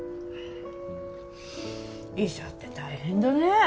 医者って大変だねえ。